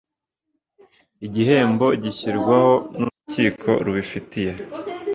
Igihembo gishyirwaho n urukiko rubifitiye